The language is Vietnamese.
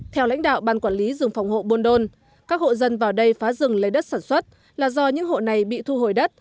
theo lãnh đạo ban quản lý rừng phòng hộ buôn đôn các hộ dân vào đây phá rừng lấy đất sản xuất là do những hộ này bị thu hồi đất